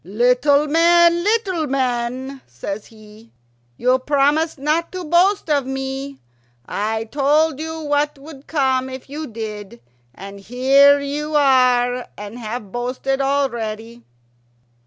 "Little man, little man," says he, "you promised not to boast of me. I told you what would come if you did, and here you are and have boasted already."